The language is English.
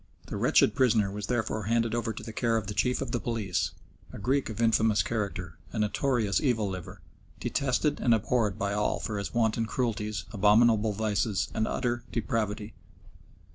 The wretched prisoner was therefore handed over to the care of the Chief of the Police, a Greek of infamous character, a notorious evil liver, detested and abhorred by all for his wanton cruelties, abominable vices, and utter depravity.